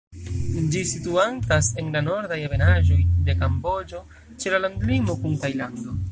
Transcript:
Ĝi situantas en la nordaj ebenaĵoj de Kamboĝo, ĉe la landlimo kun Tajlando.